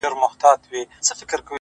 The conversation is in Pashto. پر دغه لار که مي قدم کښېښود پاچا به سم!!